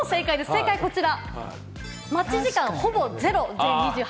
正解はこちら。